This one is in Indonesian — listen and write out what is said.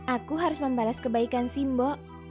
aku harus membalas kebaikan simbo